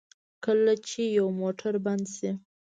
کله چې یو موټر بند شي.